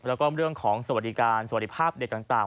แล้วก็เรื่องของสวัสดิการสวัสดีภาพเด็กต่าง